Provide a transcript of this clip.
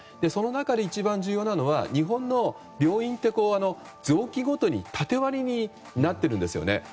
その中で一番重要なのは日本の病院は臓器ごとに縦割りになっているんですよね。